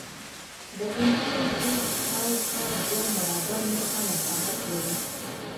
د انسان پوست شاوخوا دوه مربع متره مساحت لري.